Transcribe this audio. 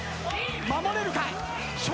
守れるか？笑